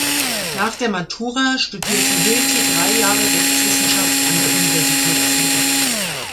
Nach der Matura studierte Hilti drei Jahre Rechtswissenschaft an der Universität Zürich.